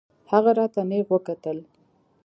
هغه راته نېغ وکتل.